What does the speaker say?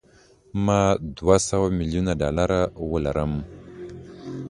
ما دوه سوه میلیونه ډالره ولرم.